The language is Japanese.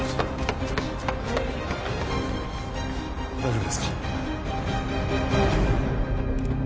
大丈夫ですか？